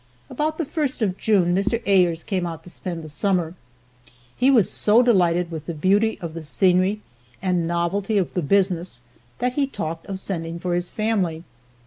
About the first of June, Mr. Ayres came out to spend the summer. He was so delighted with the beauty of the scenery and novelty of the business that he talked of sending for his family.